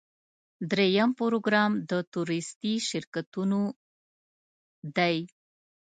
دریم پروګرام د تورېستي شرکتونو دی.